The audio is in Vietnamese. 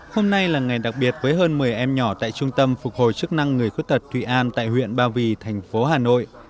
hôm nay là ngày đặc biệt với hơn một mươi em nhỏ tại trung tâm phục hồi chức năng người khuyết tật thụy an tại huyện ba vì thành phố hà nội